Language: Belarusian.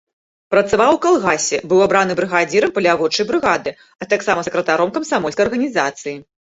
Працаваў у калгасе, быў абраны брыгадзірам паляводчай брыгады, а таксама сакратаром камсамольскай арганізацыі.